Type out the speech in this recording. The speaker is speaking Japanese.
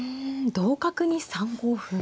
同角に３五歩。